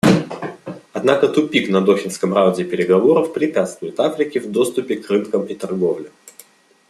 Однако тупик на Дохинском раунде переговоров препятствует Африке в доступе к рынкам и торговле.